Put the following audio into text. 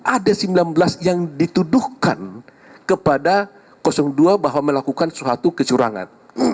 ada sembilan belas yang dituduhkan kepada dua bahwa melakukan suatu kecurangan